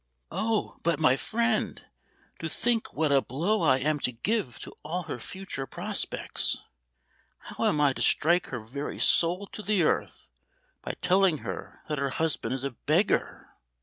"Oh, but my friend! to think what a blow I am to give to all her future prospects, how I am to strike her very soul to the earth, by telling her that her husband is a beggar!